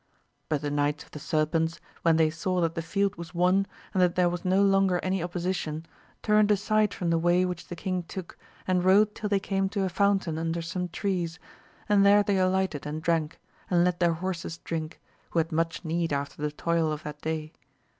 But the Knights of the Serpents when they saw that the fleld was won, and that there was no longer any opposition, turned aside from the way which the king took, and rode till they came to a fountain under some trees, and there they alighted and drank, and let their horses drink, who had much need after the toil of that day.